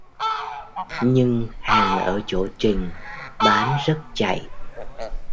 nhưng hàng ở chỗ trình bán rất chạy